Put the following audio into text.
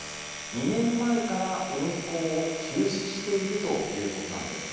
２年前から運行を休止しているということなんです。